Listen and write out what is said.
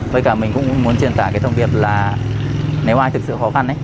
với cả mình cũng muốn truyền tả cái thông việc là nếu ai thực sự khó khăn